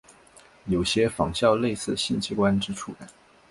有些仿效类似性器官之触感。